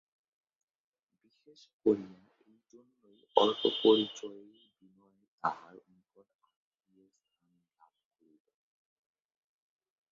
বিশেষ করিয়া এইজন্যই অল্প পরিচয়েই বিনয় তাঁহার নিকট আত্মীয়ের স্থান লাভ করিল।